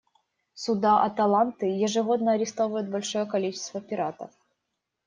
Суда «Аталанты» ежегодно арестовывают большое количество пиратов.